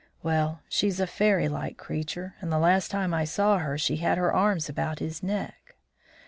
Well, she's a fairy like creature, and the last time I saw her she had her arms about his neck."